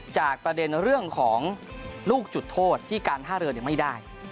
จากประเด็นเรื่องของลูกจุดโทษที่การท่าเรือไม่ได้